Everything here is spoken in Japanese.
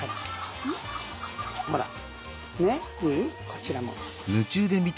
こちらも。